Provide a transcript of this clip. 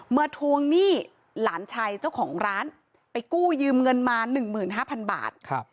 เมื่อทวงหนี้หลานชายเจ้าของร้านไปกู้ยืมเงินมาหนึ่งหมื่นห้าพันบาท